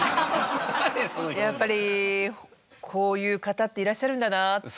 やっぱりこういう方っていらっしゃるんだなって。